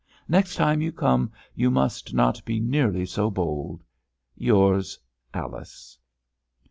Next time you come, you must not be nearly so bold...._—Yours, ALICE."